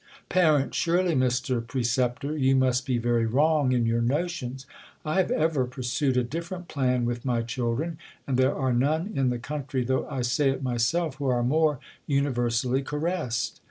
Par, Surely, Mr. Preceptor, you must be very wrong in your notions; 1 have ever pursued a difier 'ent plan with my children; and there are none in the country, though I say it myself, who are more univer sally caressed.